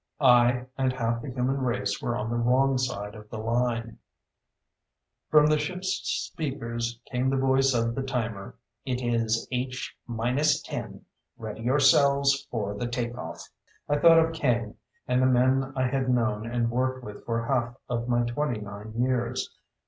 I and half the human race were on the wrong side of the line. From the ship's speakers came the voice of the timer. "It is H minus ten. Ready yourselves for the takeoff." I thought of Kane and the men I had known and worked with for half of my twenty nine years.